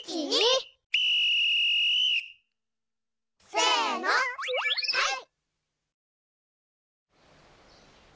せのはい！